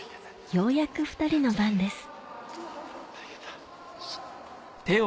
ようやく２人の番です